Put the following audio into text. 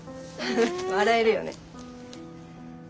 フフ笑えるよね。